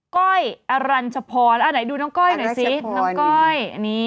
ก้อยอารัลจพรไหนดูตอนก้อยหน่อยสิ